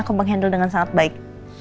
aku mengandalkan dengan sangat baik